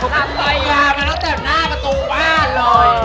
ทำใบยามาตั้งแต่หน้าประตูบ้านเลย